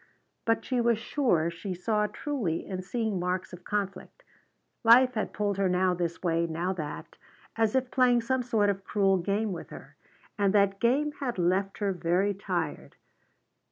But she was sure she saw truly in seeing marks of conflict. Life had pulled her now this way, now that, as if playing some sort of cruel game with her. And that game had left her very tired.